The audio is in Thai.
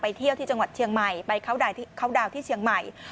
เที่ยวที่จังหวัดเชียงใหม่ไปเข้าดาวน์ที่เชียงใหม่